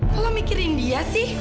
tolong mikirin dia sih